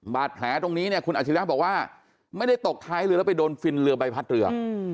บาดแผลตรงนี้เนี่ยคุณอาชิระบอกว่าไม่ได้ตกท้ายเรือแล้วไปโดนฟินเรือใบพัดเรือ